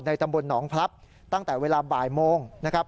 ตำบลหนองพลับตั้งแต่เวลาบ่ายโมงนะครับ